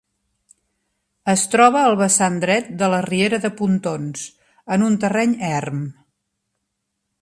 Es troba al vessant dret de la riera de Pontons en un terreny erm.